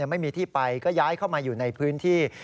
ไม่มีที่ไปก็ย้ายเข้ามาอยู่ในพื้นที่